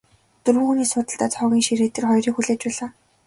Дөрвөн хүний суудалтай зоогийн ширээ тэр хоёрыг хүлээж байлаа.